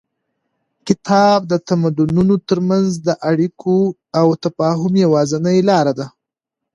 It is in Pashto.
کتاب د تمدنونو تر منځ د اړیکو او تفاهم یوازینۍ لاره ده.